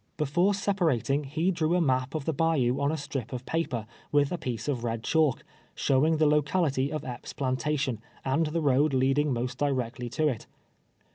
Before sep arating, he drew a map of the bayou on a strip of paper witli a piece of I'ed chalk, showing the locality of Epps' plantation, and the road leading most directly to it.